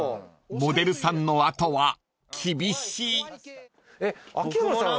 ［モデルさんの後は厳しい］秋山さん。